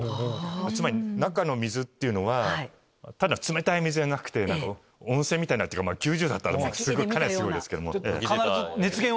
つまり中の水っていうのはただ冷たい水じゃなくて温泉みたいなっていうか９０℃あったらかなりすごいですけども。